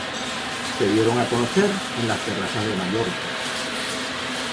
Se dieron a conocer en las terrazas de Mallorca.